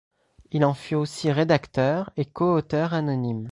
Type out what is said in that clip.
Il en fut aussi rédacteur et co-auteur anonyme.